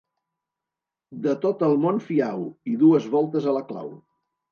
De tot el món fiau i dues voltes a la clau.